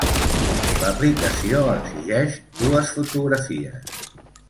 L'aplicació exigeix dues fotografies.